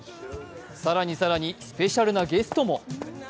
更に更にスペシャルなゲストも。